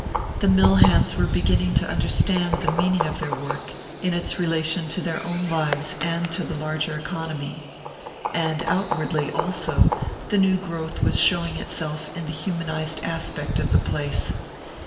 The mill hands were beginning to understand the meaning of their work, in its relation to their own lives and to the larger economy. And outwardly, also, the new growth was showing itself in the humanized aspect of the place.